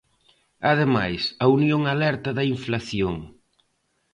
Ademais, a Unión alerta da inflación.